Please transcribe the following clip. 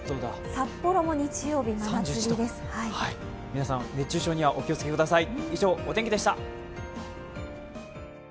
皆さん、熱中症にはお気をつけください。